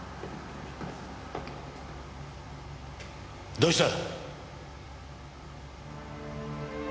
どうした？